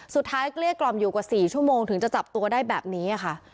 เกลี้ยกล่อมอยู่กว่า๔ชั่วโมงถึงจะจับตัวได้แบบนี้ค่ะ